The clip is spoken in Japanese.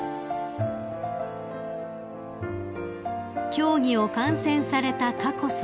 ［競技を観戦された佳子さま］